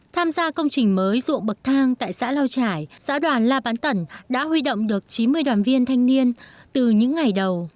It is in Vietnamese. tham gia công trình mới ruộng bậc thang tại xã lao trải xã đoàn la bán tẩn đã huy động được chín mươi đoàn viên thanh niên từ những ngày đầu